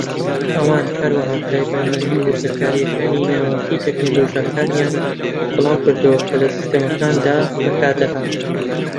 ئەوان هەروەها تایبەتمەندی و وردەکارییەکانی ناوەکی تەکنەلۆجیاکانیان بڵاوکردەوە کە لە سیستەمەکاندا بەکاردەهات.